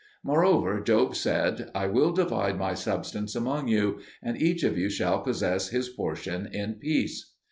Moreover, Job said, "I will divide my substance among you, and each of you shall possess his portion in peace."